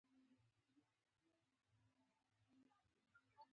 زه چې کړکۍ ته ورغلم یو نارینه مامور ناست و.